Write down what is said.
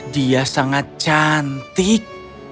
dia sangat cantik